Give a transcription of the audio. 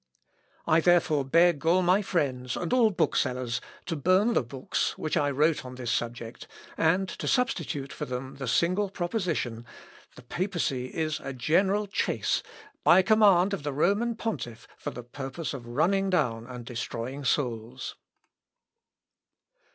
I therefore beg all my friends, and all booksellers, to burn the books which I wrote on this subject, and to substitute for them the single proposition 'The papacy is a general chace, by command of the Roman pontiff, for the purpose of running down and destroying souls.'"